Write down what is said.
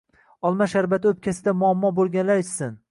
Olma sharbati o'pkasida muammo bo'lganlar ichsin.